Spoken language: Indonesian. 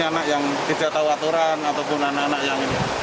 anak yang tidak tahu aturan ataupun anak anak yang ini